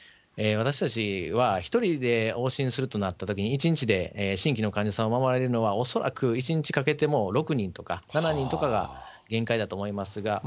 私たちは、１人で往診するとなったときに、１日で新規の患者さんを回れるのは、恐らく１日かけても、６人とか７人とかが限界だと思いますが。